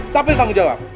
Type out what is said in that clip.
siapa yang tanggung jawab